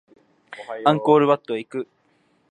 アンコールワットへ行く